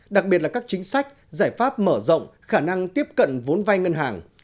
đặc biệt là các chính sách giải pháp mở rộng khả năng tiếp cận vốn vai ngân hàng